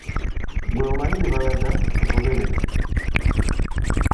Ggwe omanyi gye balaga bagoberere.